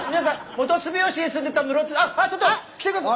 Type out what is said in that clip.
元住吉に住んでたムロツあっあっちょっと！来て下さい。